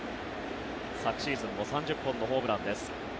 昨シーズンも３０本のホームランです。